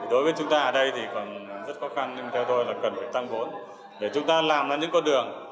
đối với chúng ta ở đây thì còn rất khó khăn nhưng theo tôi là cần phải tăng vốn để chúng ta làm ra những con đường